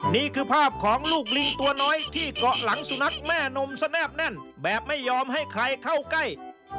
นี่คือภาพของลูกลิงตัวน้อยที่เกาะหลังสุนัขแม่นมสแนบแน่นแบบไม่ยอมให้ใครเข้าใกล้